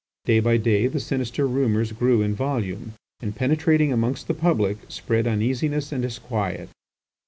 Day by day the sinister rumours grew in volume, and penetrating amongst the public, spread uneasiness and disquiet.